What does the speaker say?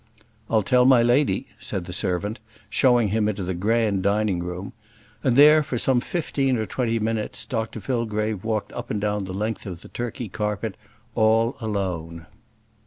"I'll tell my lady," said the servant, showing him into the grand dining room; and there for some fifteen minutes or twenty minutes Dr Fillgrave walked up and down the length of the Turkey carpet all alone.